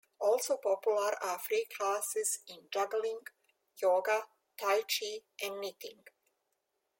Also popular are free classes in juggling, yoga, tai chi and knitting.